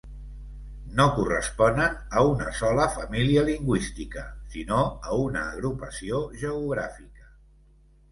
No corresponen a una sola família lingüística sinó a una agrupació geogràfica.